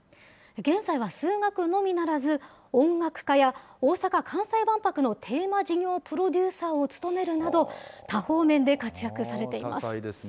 現在は数学のみならず、音楽家や大阪・関西万博のテーマ事業プロデューサーを務めるなど、多方面で活躍されています。